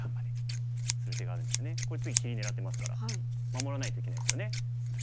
これ次切り狙ってますから守らないといけないですよね。